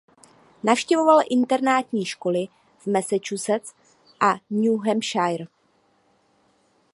Navštěvoval internátní školy v Massachusetts a New Hampshire.